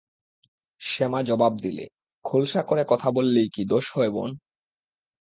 শ্যামা জবাব দিলে, খোলসা করে কথা বললেই কি দোষ হয় বোন?